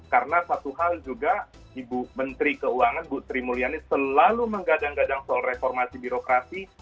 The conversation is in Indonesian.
karena satu hal juga ibu menteri keuangan bu sri mulyani selalu menggadang gadang soal reformasi birokrasi